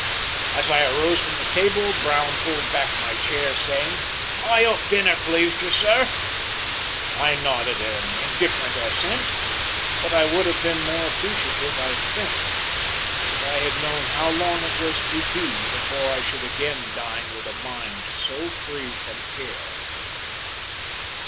As I arose from the table, Brown pulled back my chair saying: "I hope dinner pleased you, sir?" I nodded an indifferent assent, but I would have been more appreciative, I think, if I had known how long it was to be before I should again dine with a mind so free from care.